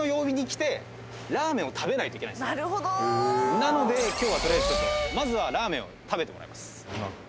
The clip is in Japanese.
なので今日は取りあえずちょっとまずはラーメンを食べてもらいます。